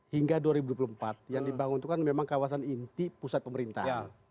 hingga dua ribu dua puluh empat yang dibangun itu kan memang kawasan inti pusat pemerintahan